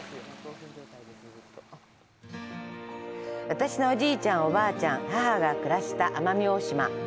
私のおじいちゃん、おばあちゃん、母が暮らした奄美大島。